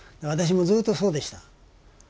私もずっとそうでした。